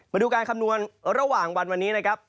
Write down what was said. มาดูการคำนวณระหว่างวันวันนี้นะครับ